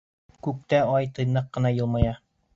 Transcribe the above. Күктә Ай тыйнаҡ ҡына йылмая.